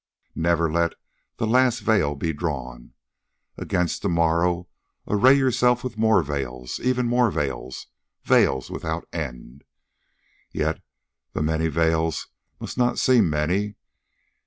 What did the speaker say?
Never let the last veil be drawn. Against the morrow array yourself with more veils, ever more veils, veils without end. Yet the many veils must not seem many.